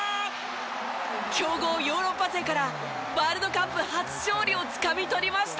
強豪ヨーロッパ勢からワールドカップ初勝利をつかみ取りました。